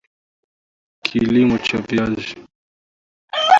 kilimo cha viazi